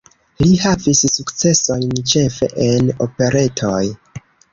Li havis sukcesojn ĉefe en operetoj.